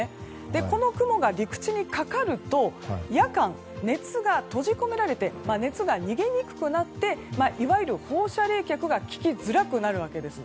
この雲が陸地にかかると夜間、熱が閉じ込められて熱が逃げにくくなっていわゆる放射冷却が効きづらくなるわけです。